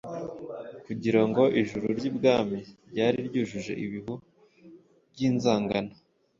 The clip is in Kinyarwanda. kugira ngo ijuru ry’ibwami ryari ryuje ibihu by’inzangano